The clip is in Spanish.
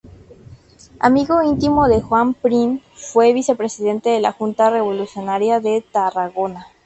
Amigo íntimo de Juan Prim, fue vicepresidente de la Junta Revolucionaria de Tarragona.